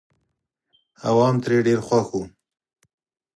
عوام ترې ډېر خوښ وو.